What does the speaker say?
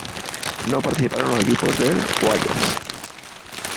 No participaron los equipos del Guayas.